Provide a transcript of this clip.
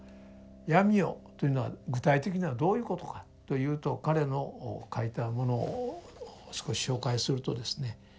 闇夜というのは具体的にはどういうことかというと彼の書いたものを少し紹介するとですね